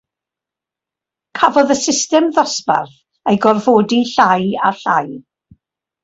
Cafodd y system ddosbarth ei gorfodi llai a llai.